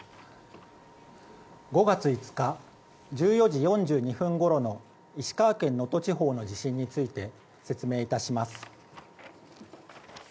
５月５日１４時４２分ごろの石川県能登地方の地震について、説明いたします。